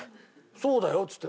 「そうだよ」っつって。